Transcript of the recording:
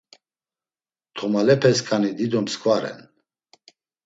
Tomapeskani dido mskva ren.